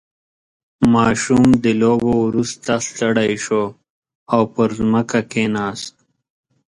• ماشوم د لوبو وروسته ستړی شو او پر ځمکه کښېناست.